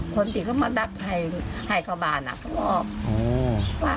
คนที่เขามาดักให้กระบาดนะเขาบอก